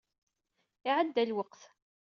Iɛedda lweqt.